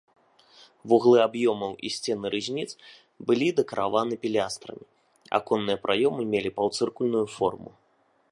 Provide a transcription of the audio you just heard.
Вуглы аб'ёмаў і сцены рызніц былі дэкарыраваны пілястрамі, аконныя праёмы мелі паўцыркульную форму.